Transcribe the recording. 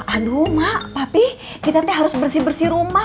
aduh mak tapi kita nanti harus bersih bersih rumah